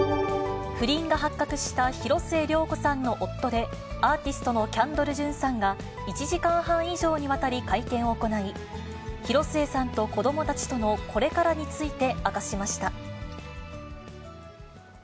不倫が発覚した広末涼子さんの夫でアーティストのキャンドル・ジュンさんが、１時間半以上にわたり会見を行い、広末さんと子どもたちとのこれからについて明かしました。